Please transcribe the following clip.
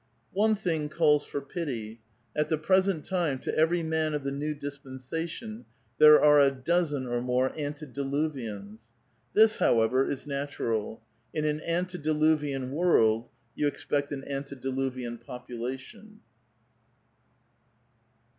One thing calls for pity : at the present time, to every one man of the new dispensation there are a dozen or more antediluvians. This, however, is natural. In an antediluvian world you expect an antediluvian population.